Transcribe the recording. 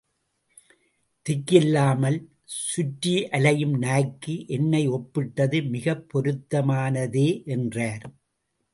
திக்கில்லாமல் சுற்றியலையும் நாய்க்கு என்னை ஒப்பிட்டது மிகப் பொருத்தமானானதே என்றார்.